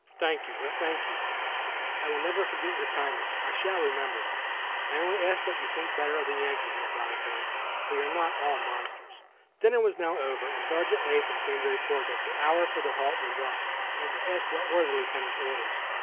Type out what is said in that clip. "Thank you! Oh, thank you! You will never regret your kindness. I shall remember it." "I only ask you to think better of Yankees, Miss Osborne; we are not all monsters." Dinner was now over, and Sergeant Latham came to report that the hour for the halt was up, and to ask what were the Lieutenant's orders.